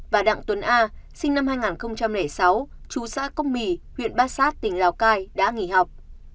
và đặng tuấn a sinh năm hai nghìn sáu chú xã công mì huyện bát sát tỉnh lào cai đã nghỉ học